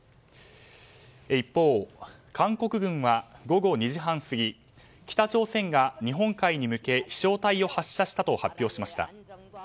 一方、韓国軍は午後２時半過ぎ北朝鮮が日本海に向け飛翔体を発射したと発表しました。